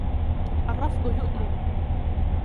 الرفض يؤلم.